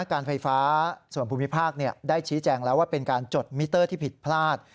การไฟฟ้าส่วนภูมิภาคได้ชี้แจงแล้วว่าเป็นการจดมิเตอร์ที่ผิดพลาด